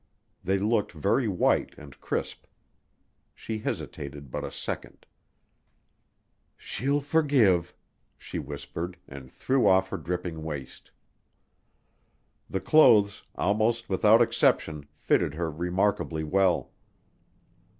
They looked very white and crisp. She hesitated but a second. "She'll forgive," she whispered, and threw off her dripping waist. The clothes, almost without exception, fitted her remarkably well.